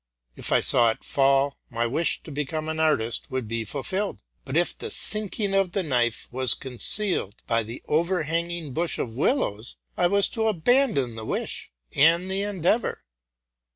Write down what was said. If I saw it fall, my wish to become an artist would be fulfilled ; but if the sinking of the knife was concealed by the overhanging bush of willows, I was to abandon the wish and the endeavor.